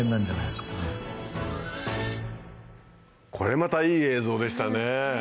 これまたいい映像でしたね。